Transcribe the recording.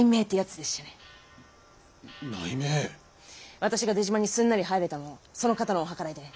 私が出島にすんなり入れたのもその方のお計らいでね。